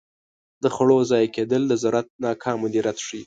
د خوړو ضایع کیدل د زراعت ناکام مدیریت ښيي.